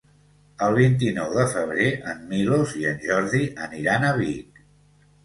El vint-i-nou de febrer en Milos i en Jordi aniran a Vic.